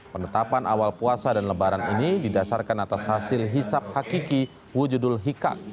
penetapan awal puasa dan lebaran ini didasarkan atas hasil hisap hakiki wujudul hikak